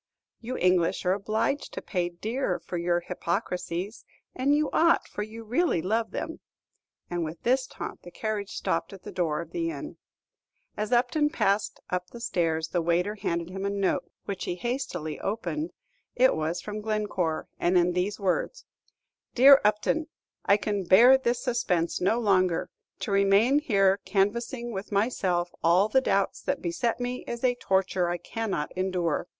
"You English are obliged to pay dear for your hypocrisies; and you ought, for you really love them." And with this taunt the carriage stopped at the door of the inn. As Upton passed up the stairs, the waiter handed him a note, which he hastily opened; it was from Glencore, and in these words: Dear Upton, I can bear this suspense no longer; to remain here canvassing with myself all the doubts that beset me is a torture I cannot endure.